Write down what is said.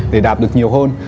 để đạp được nhiều hơn